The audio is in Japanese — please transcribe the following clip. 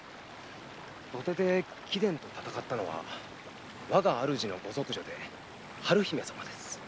土手で貴殿と闘ったのはわが主人のご息女・春姫様です。